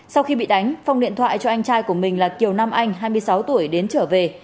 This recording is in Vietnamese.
sau khi bị đánh phong điện thoại cho anh trai của mình là kiều nam anh hai mươi sáu tuổi đến trở về